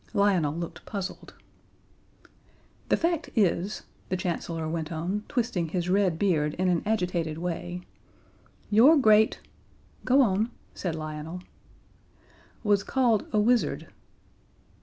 Lionel looked puzzled. "The fact is," the Chancellor went on, twisting his red beard in an agitated way, "your great " "Go on," said Lionel. " was called a wizard."